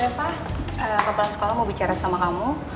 eva kepala sekolah mau bicara sama kamu